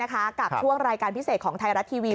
กับช่วงรายการพิเศษของไทยรัฐทีวี